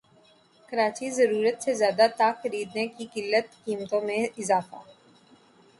کراچی ضرورت سے زیادہ ٹا خریدنے سے قلت قیمتوں میں اضافہ